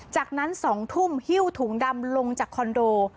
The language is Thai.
จากนั้น๒ทุ่มฮิ้วถุงดำลงจากคอนโด